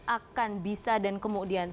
akan bisa dan kemudian